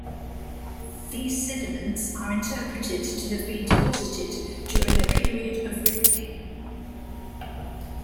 These sediments are interpreted to have been deposited during a period of rifting.